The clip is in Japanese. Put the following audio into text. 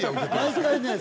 毎回ね